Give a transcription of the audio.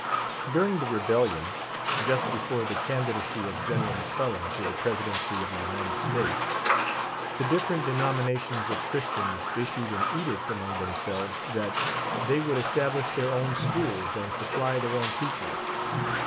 During the rebellion, just before the candidacy of Gen eral McClellan to the Presidency of the United States, the different denominations of Christians issued an edict among themselves that the}'^ would establish their own schools and supply their own teachers.